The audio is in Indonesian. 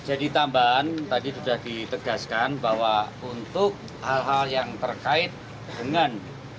jadi tambahan tadi sudah ditegaskan bahwa untuk hal hal yang terkait dengan